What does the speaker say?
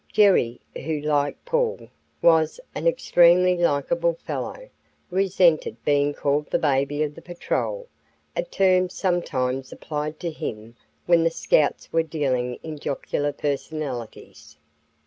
Jerry, who, like Paul, was an extremely likable fellow, resented being called the baby of the patrol, a term sometimes applied to him when the Scouts were dealing in jocular personalities.